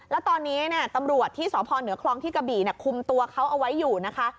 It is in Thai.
แล้วตอนนี้ตำรวจที่สพเหนือคลองที่กระบี่คุมตัวเขาเอาไว้อยู่นะคะ